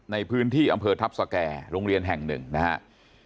ในพื้นที่อำเภอทัพสแก่โรงเรียนแห่งหนึ่งนะครับ